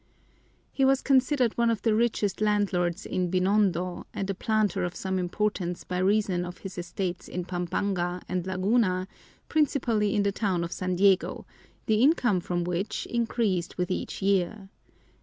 He was considered one of the richest landlords in Binondo and a planter of some importance by reason of his estates in Pampanga and Laguna, principally in the town of San Diego, the income from which increased with each year.